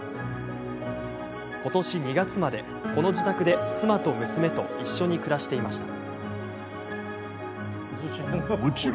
ことし２月まで、この自宅で妻と娘と一緒に暮らしていました。